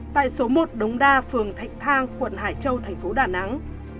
tại số một đống đa phường thạch thang quận hải châu thành phố đà nẵng